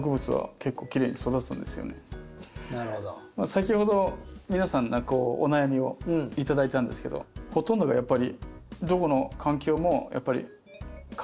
先ほど皆さんのお悩みを頂いたんですけどほとんどがやっぱりどこの環境も風不足。